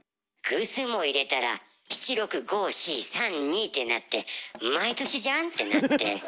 偶数も入れたら七六五四三二ってなって毎年じゃん？ってなって。